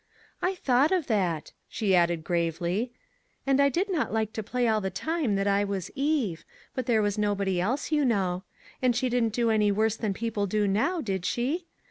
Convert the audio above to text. " I thought of that," she added gravely, " and I did not like to play all the time that I was Eve, but there was nobody else, you know. And she didn't do any worse than people do now, did she?